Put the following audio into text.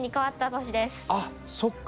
あっそうか！